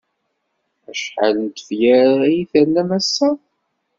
Acḥal n tefyar ay ternam ass-a?